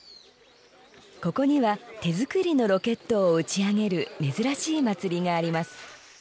ここには手作りのロケットを打ち上げる珍しい祭りがあります。